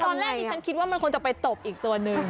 ตอนแรกที่ฉันคิดว่ามันคงจะไปตบอีกตัวหนึ่ง